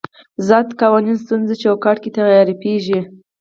ذات قوانینو سنتونو چوکاټ کې تعریفېږي.